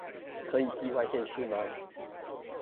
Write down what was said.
可以寄外縣市嗎